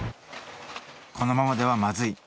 このままではまずい。